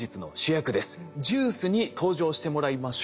ＪＵＩＣＥに登場してもらいましょう。